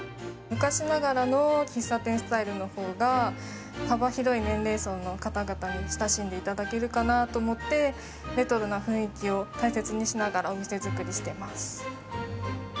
昔ながらの喫茶店スタイルのほうが、幅広い年齢層の方々に親しんでいただけるかなと思って、レトロな雰囲気を大切にしながら、お店作りしてます。